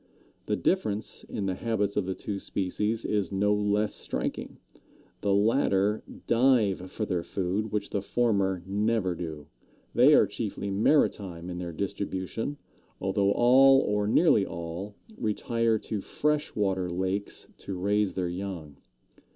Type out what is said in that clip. The difference in the habits of the two species is no less striking. The latter dive for their food, which the former never do; they are chiefly maritime in their distribution, although all, or nearly all, retire to fresh water lakes to raise their young.